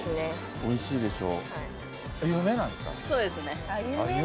おいしいですよ。